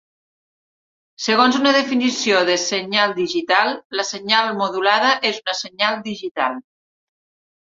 Segons una definició de senyal digital, la senyal modulada és una senyal digital.